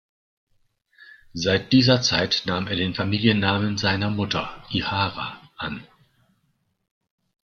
Seit dieser Zeit nahm er den Familiennamen seiner Mutter, Ihara, an.